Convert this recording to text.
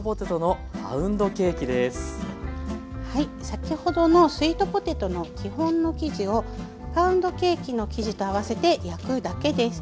先ほどのスイートポテトの基本の生地をパウンドケーキの生地と合わせて焼くだけです。